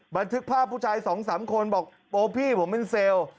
บันทึกภาพผู้ชาย๒๓คนบอกโอ้พี่ผมเป็นเซล